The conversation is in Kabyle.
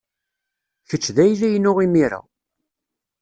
Kečč d ayla-inu imir-a.